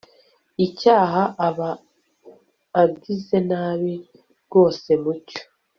icyaha aba agize nabi rwose mucyo